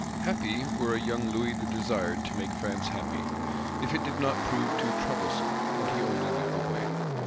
Happy were a young "Louis the Desired" to make France happy; if it did not prove too troublesome, and he only knew the way.